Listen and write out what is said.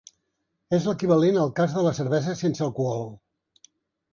És l’equivalent al cas de la cervesa sense alcohol.